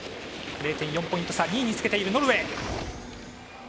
０．４ポイント差２位につけているノルウェー。